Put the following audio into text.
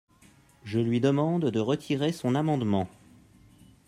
Je lui demande de retirer son amendement.